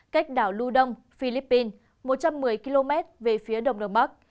cách đảo lưu đông philippines một trăm một mươi km về phía đồng đồng bắc